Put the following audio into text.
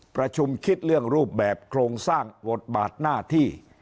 ประชุมคิดเรื่องรูปแบบโครงสร้างบทบาทหน้าที่